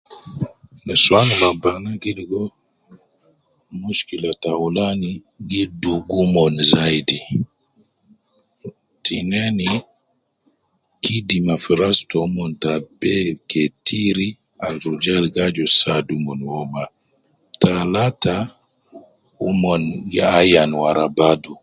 Nusuwan ma bana gi ligo mushkila taulani, gi dugu omon zaidi, tineni, kidima fi ras tomon ta be ketiri al rujal gi aju saadu omon mo ma, talata omon gi ayan wara badu